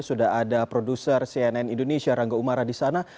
sudah ada produser cnn indonesia rangga umara di sana